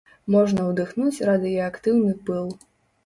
Можна удыхнуць радыеактыўны пыл.